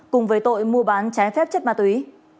cùng với tội mua bán trái phép chất ma túy